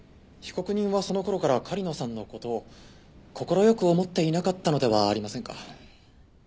被告人はその頃から狩野さんの事を快く思っていなかったのではありませんか？